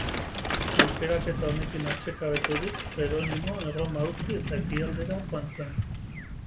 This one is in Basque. Aukeraketa honekin atsekabeturik, Jeronimo, Erroma utzi eta Ekialdera joan zen.